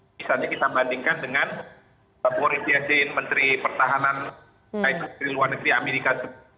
misalnya kita bandingkan dengan bapak presiden menteri pertahanan menteri luar negeri amerika